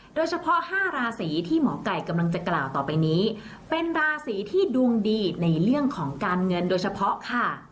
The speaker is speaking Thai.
โดยเฉพาะ๕ราศีที่หมอไก่กำลังจะกล่าวต่อไปนี้เป็นราศีที่ดวงดีในเรื่องของการเงินโดยเฉพาะค่ะ